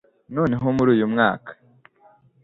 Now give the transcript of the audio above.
noneho muri uyu mwaka